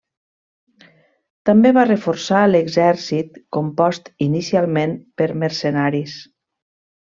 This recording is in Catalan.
També va reforçar l'exèrcit, compost inicialment per mercenaris.